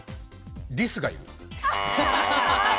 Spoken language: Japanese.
リスがいる。